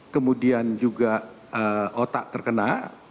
kemudian juga otak terkena